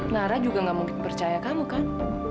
nara juga gak mungkin percaya kamu kan